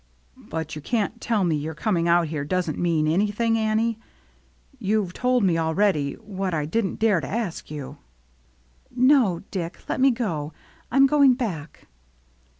" But you can't tell me your coming out here doesn't mean 2o6 THE MERRT ANNE anything, Annie. You've told me already what I didn't dare to ask you." "No, Dick, let me go. I'm going back."